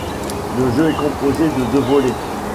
Le jeu est composé de deux volets.